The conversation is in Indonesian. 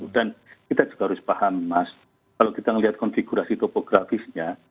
dan kita juga harus paham mas kalau kita melihat konfigurasi topografisnya